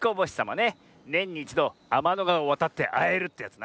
ねんに１どあまのがわをわたってあえるってやつな。